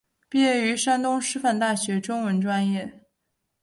毕业于山东师范大学中文专业。